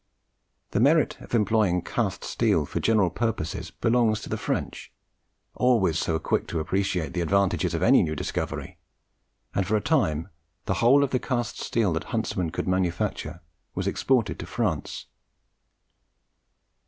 The merit of employing cast steel for general purposes belongs to the French, always so quick to appreciate the advantages of any new discovery, and for a time the whole of the cast steel that Huntsman could manufacture was exported to France.